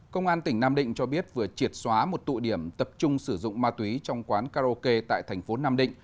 công an tỉnh nam định cho biết vừa triệt xóa một tụ điểm tập trung sử dụng ma túy trong quán karaoke tại thành phố nam định